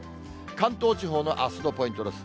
関東地方のあすのポイントです。